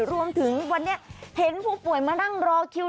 รวมถึงวันนี้เห็นผู้ป่วยมานั่งรอคิว